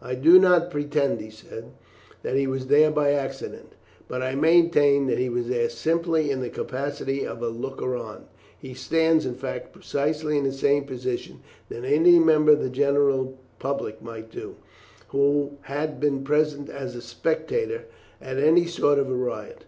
"I do not pretend," he said, "that he was there by accident; but I maintain that he was there simply in the capacity of a looker on. He stands, in fact, precisely in the same position that any member of the general public might do, who had been present as a spectator at any sort of riot.